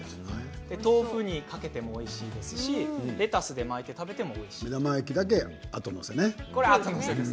豆腐にかけてもおいしいですしレタスで巻いて食べてもおいしいんだそうです。